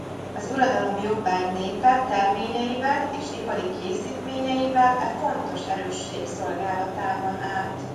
Az uradalom jobbágy népe terményeivel és ipari készítményeivel e fontos erősség szolgálatában állt.